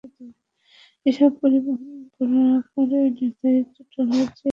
এসব পরিবহন পারাপারে নির্ধারিত টোলের চেয়ে তিন-চার গুণ বেশি টাকা নেওয়া হয়।